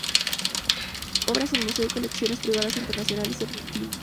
Obras en museos y colecciones privadas internacionales y de Argentina.